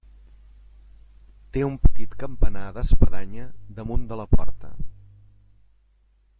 Té un petit campanar d'espadanya damunt de la porta.